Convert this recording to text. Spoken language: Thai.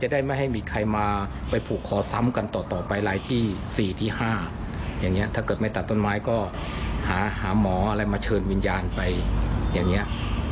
หาหมออะไรมาเชิญวิญญาณไปอย่างเงี้ย